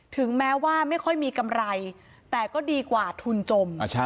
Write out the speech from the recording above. ถึงแม้ว่าไม่ค่อยมีกำไรแต่ก็ดีกว่าทุนจม